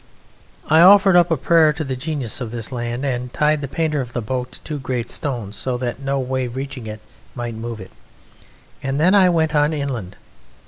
"I offered up a prayer to the genius of the land, and tied the painter of the boat to two great stones, so that no wave reaching it might move it, and then I went on inland.